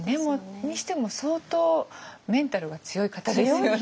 にしても相当メンタルが強い方ですよね。